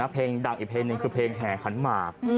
เพลงดังอีกเพลงหนึ่งคือเพลงแห่ขันหมาก